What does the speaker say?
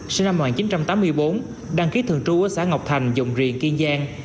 sinh năm một nghìn chín trăm tám mươi bốn đăng ký thường trú ở xã ngọc thành dòng riềng kiên giang